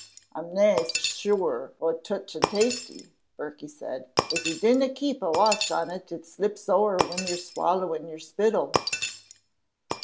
"I'm nane sure o' Teuch and Tasty," Birkie said. "If you dinna keep a watch on it, it slips ower when you're swallowing your spittle."